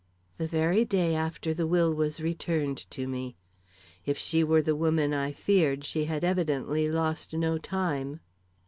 The very day after the will was returned to me. If she were the woman I feared, she had evidently lost no time.